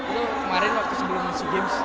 ini kemarin waktu sebelum si james